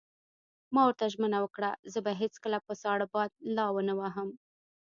ما ورته ژمنه وکړه: زه به یې هېڅکله په ساړه باد لا ونه وهم.